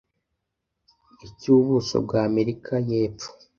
icy'ubuso bwa Amerika y'Epfo